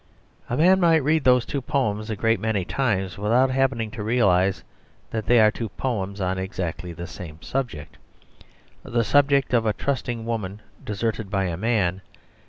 A man might read those two poems a great many times without happening to realise that they are two poems on exactly the same subject the subject of a trusting woman deserted by a man.